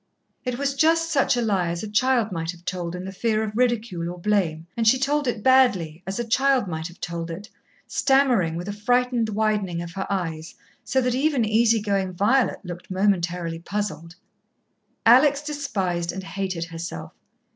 It was just such a lie as a child might have told in the fear of ridicule or blame, and she told it badly as a child might have told it, stammering, with a frightened widening of her eyes, so that even easy going Violet looked momentarily puzzled. Alex despised and hated herself.